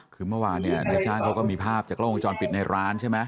คือเมื่อวานเนี่ยนายจ้างเขาก็มีภาพจากกล้องวงจรปิดในร้านใช่ไหม